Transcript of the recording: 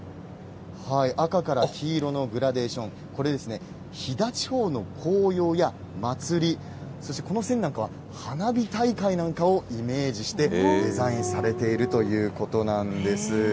赤から黄色のグラデーション、これ、飛騨地方の紅葉や祭り、そしてこの線なんかは花火大会なんかをイメージして、デザインされているということなんです。